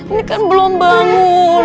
ini kan belum bangun